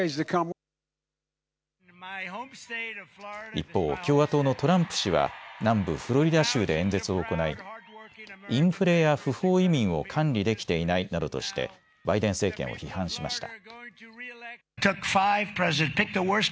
一方、共和党のトランプ氏は南部フロリダ州で演説を行いインフレや不法移民を管理できていないなどとしてバイデン政権を批判しました。